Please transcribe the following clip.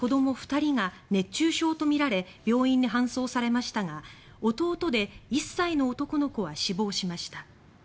２人が熱中症とみられ病院に搬送されましたが弟で１歳の男の子は死亡しました。